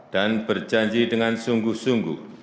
dan berjanji dengan sungguh sungguh